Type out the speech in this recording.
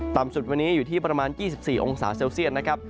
ต่ำสุดวันนี้อยู่ที่ประมาณ๒๔องศาเซลเซียตนะครับ